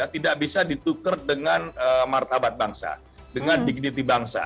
tidak bisa ditukar dengan martabat bangsa dengan dignity bangsa